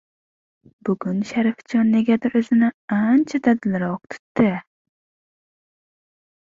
Bugun Sharifjon negadir oʻzini ancha dadilroq tutdi.